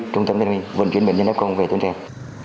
trung tâm huyện an trâm y huyện chuyển bệnh nhân hfkm về tuấn trang